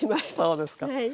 そうですか。